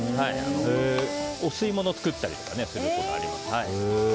お吸い物を作ったりすることがありますね。